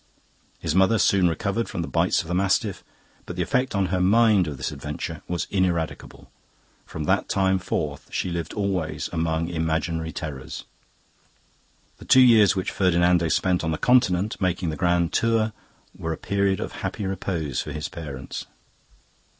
His mother soon recovered from the bites of the mastiff, but the effect on her mind of this adventure was ineradicable; from that time forth she lived always among imaginary terrors. "The two years which Ferdinando spent on the Continent, making the Grand Tour, were a period of happy repose for his parents.